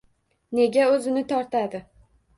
Nega o`zini tortadi